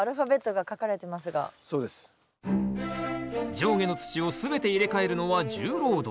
上下の土を全て入れ替えるのは重労働。